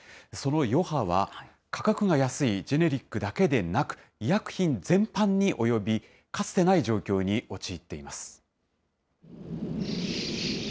その余波は、価格が安いジェネリックだけでなく、医薬品全般に及び、かつてない状況に陥っています。